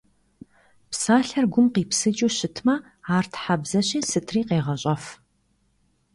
Псалъэр гум къипсыкӏыу щытмэ ар Тхьэбзэщи сытри къегъащӏэф.